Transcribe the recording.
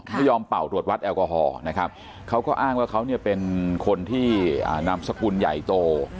เป่าตรวจวัดแอลกอฮอล์นะครับเขาก็อ้างว่าเขาเนี่ยเป็นคนที่นามสกุลใหญ่โต